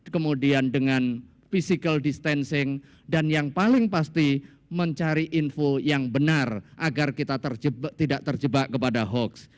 kemudian dengan physical distancing dan yang paling pasti mencari info yang benar agar kita tidak terjebak kepada hoax